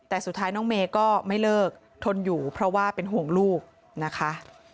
แต่สุดท้ายน้องเมย์ก็ไม่เลิกทนอยู่เพราะว่าเป็นห่วงลูกนะคะ